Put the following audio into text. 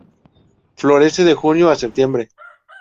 Florece de junio a septiembre.